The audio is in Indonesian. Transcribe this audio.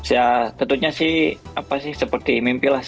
ya tentunya sih seperti mimpi lah